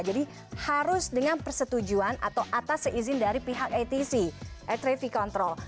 jadi harus dengan persetujuan atau atas seizin dari pihak atc air traffic control